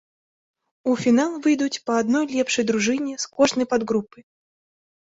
У фінал выйдуць па адной лепшай дружыне з кожнай падгрупы.